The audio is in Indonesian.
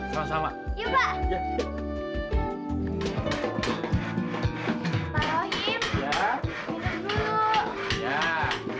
ya udah makasih pak